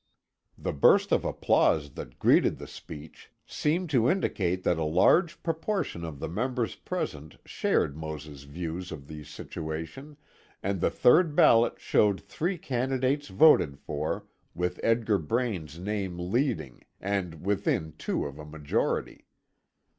The burst of applause that greeted the speech, seemed to indicate that a large proportion of the members present shared Mose's view of the situation, and the third ballot showed three candidates voted for, with Edgar Braine's name leading, and within two of a majority.